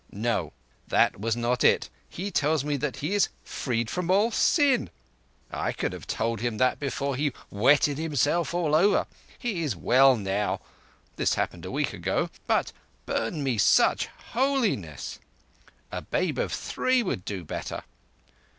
No, that was not it—he tells me that he is freed from all sin. I could have told him that before he wetted himself all over. He is well now—this happened a week ago—but burn me such holiness! A babe of three would do better.